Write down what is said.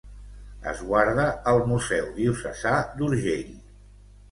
Es guarda al Museu Diocesà d'Urgell.